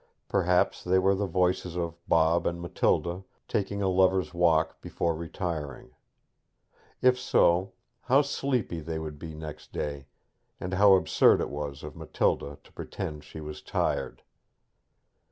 Perhaps they were the voices of Bob and Matilda taking a lover's walk before retiring. If so, how sleepy they would be next day, and how absurd it was of Matilda to pretend she was tired!